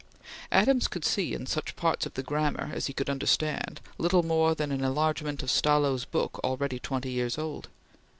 Adams could see in such parts of the "Grammar" as he could understand, little more than an enlargement of Stallo's book already twenty years old.